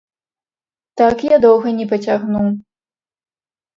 Так я доўга не пацягну.